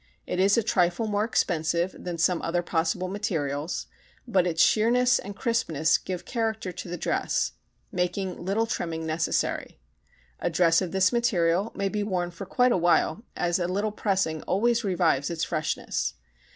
It is a trifle more expensive than some other possible materials but its sheerness and crispness give character to the dress, making little trimming necessary. A dress of this material may be worn for quite a while, as a little pressing always revives its freshness.